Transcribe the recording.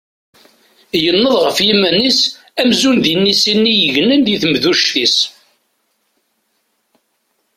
Yenneḍ ɣef yiman-is amzun d inisi-nni yegnen di temduct-is.